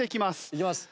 いきます。